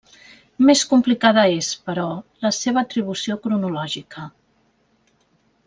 Més complicada és, però, la seva atribució cronològica.